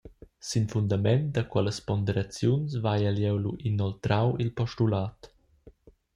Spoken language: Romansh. Sin fundament da quellas ponderaziuns vaiel jeu lu inoltrau il postulat.